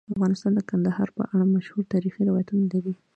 افغانستان د کندهار په اړه مشهور تاریخی روایتونه لري.